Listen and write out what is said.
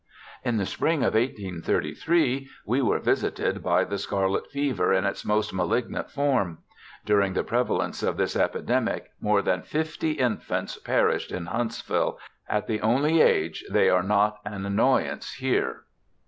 ' In the spring of 1833 we were visited by the scarlet fever in its most malignant form ; during the prevalence of this epidemic more than fifty infants perished in Huntsville, at the only age they are not an annoyance here.